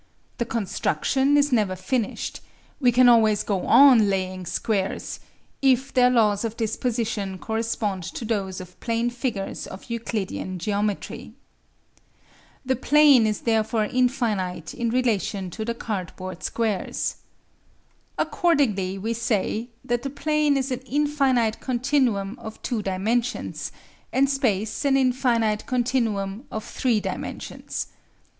The construction is never finished; we can always go on laying squares if their laws of disposition correspond to those of plane figures of Euclidean geometry. The plane is therefore infinite in relation to the cardboard squares. Accordingly we say that the plane is an infinite continuum of two dimensions, and space an infinite continuum of three dimensions.